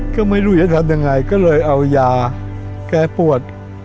ก็ไม่รู้จะทำยังไงก็เลยเอายาแกปวด